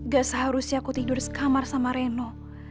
gak seharusnya aku tidur sekamar sama reno